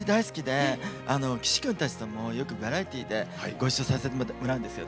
大好きで岸君たちともよくバラエティーでご一緒させてもらうんですよ。